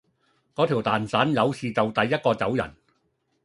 嗰條蛋散，有事就第一個走人